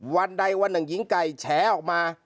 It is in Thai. วันใดวันหนึ่งหญิงไก่แฉออกมา